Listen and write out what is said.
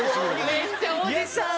めっちゃおじさん！